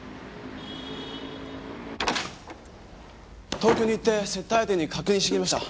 東京に行って接待相手に確認してきました。